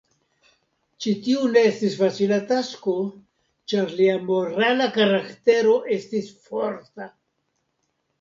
Ĉi tiu ne estis facila tasko, ĉar lia morala karaktero estis forta.